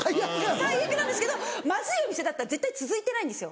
最悪なんですけどまずいお店だったら絶対続いてないんですよ。